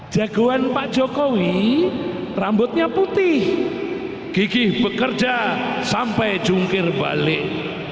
jagoan pak jokowi rambutnya putih gigih bekerja sampai jungkir balik